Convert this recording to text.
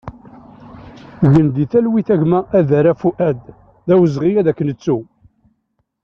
Gen di talwit a gma Adara Fuad, d awezɣi ad k-nettu!